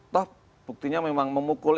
tuh buktinya memang memukul